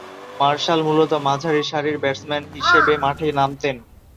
Martial মূলতঃ মাঝারিসারির batsman হিসেবে মাঠে নামতেন।